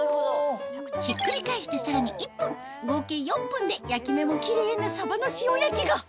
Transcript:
ひっくり返してさらに１分合計４分で焼き目もキレイなさばの塩焼きが！